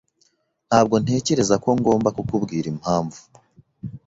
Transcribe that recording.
Ntabwo ntekereza ko ngomba kukubwira impamvu.